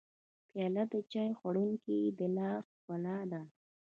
پیاله د چای خوړونکي د لاس ښکلا ده.